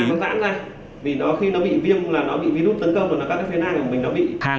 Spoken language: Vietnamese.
các bác sĩ đã tự do ra vì khi nó bị viêm là nó bị virus tấn công